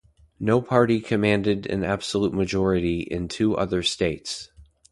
No party commanded an absolute majority in two other states.